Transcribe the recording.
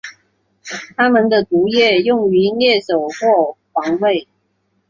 它们的毒液用于猎食或防卫。